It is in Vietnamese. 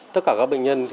tất cả các bệnh nhân